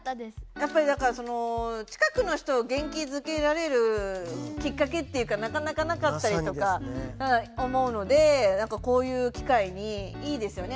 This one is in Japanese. やっぱりだから近くの人を元気づけられるきっかけっていうかなかなかなかったりとか思うのでこういう機会にいいですよね。